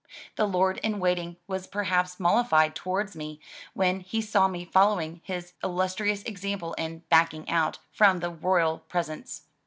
The Lord in Waiting was perhaps mollified towards me when he saw me following his illustrious example in "backing out" from the royal presence.